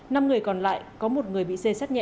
năm người còn lại có một người bị xê sát nhẹ